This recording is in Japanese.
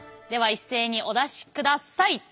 では一斉にお出しください。